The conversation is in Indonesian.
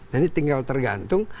dan ini tinggal tergantung